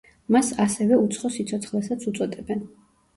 მას ასევე უცხო სიცოცხლესაც უწოდებენ.